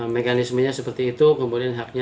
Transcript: mekanismenya seperti itu kemudian haknya